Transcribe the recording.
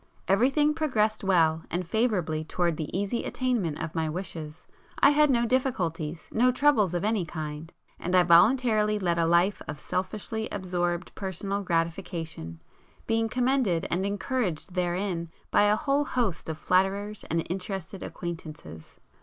Everything progressed well and favourably towards the easy attainment of my wishes,—I had no difficulties, no troubles of any kind,—and I voluntarily led a life of selfishly absorbed personal gratification, being commended and encouraged therein by a whole host of flatterers and interested acquaintances.